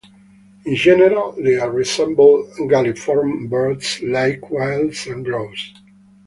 In general, they resemble galliform birds like quails and grouse.